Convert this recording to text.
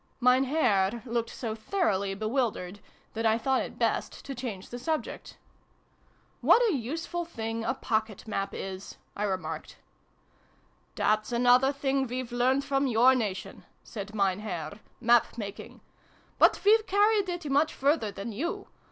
xi] THE MAN IN THE MOON. 169 Mein Herr looked so thoroughly bewildered that I thought it best to change the subject. " What a useful thing a pocket map is !" I remarked. " That's another thing we've learned from your Nation," said Mein Herr, " map making. But we've carried it much further than you.